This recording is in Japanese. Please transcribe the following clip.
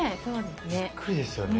びっくりですよね。